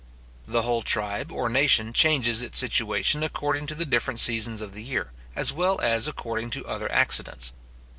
The whole tribe, or nation, changes its situation according to the different seasons of the year, as well as according to other accidents.